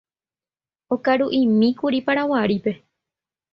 Okaruʼimíkuri Paraguarípe.